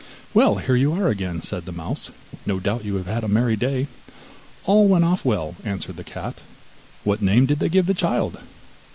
'Well, here you are again,' said the mouse, 'no doubt you have had a merry day.' 'All went off well,' answered the cat. 'What name did they give the child?